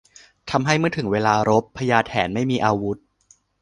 ทำให้เมื่อถึงเวลารบ พญาแถนไม่มีอาวุธ